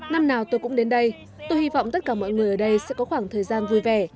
năm nào tôi cũng đến đây tôi hy vọng tất cả mọi người ở đây sẽ có khoảng thời gian vui vẻ